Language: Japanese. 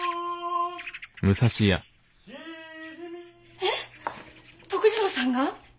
えっ徳次郎さんが？